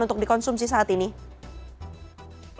untuk dikonsumsi saat ini